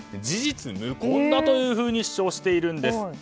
事実無根だというふうに主張しているんです。